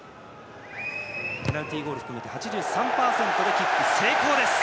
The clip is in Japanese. ペナルティーゴール含めて８３％でここもキックは成功です。